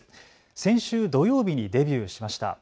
先週土曜日にデビューしました。